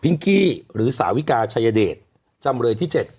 กี้หรือสาวิกาชายเดชจำเลยที่๗